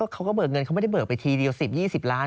เบิกเงินเขาไม่ได้เบิกไปทีเดียว๑๐๒๐ล้าน